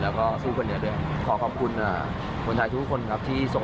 และสู้เพื่อครอบครัวสหระเทียง